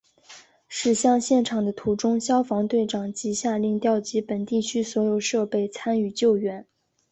驶向现场的途中消防队长即下令调集本地区所有设备参与救援。